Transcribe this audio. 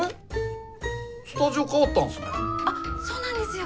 あっそうなんですよ！